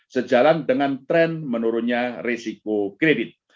sejalan dengan tren menurunnya risiko kredit